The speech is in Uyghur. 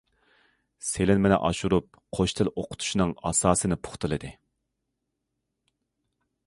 سېلىنمىنى ئاشۇرۇپ،‹‹ قوش تىل›› ئوقۇتۇشنىڭ ئاساسىنى پۇختىلىدى.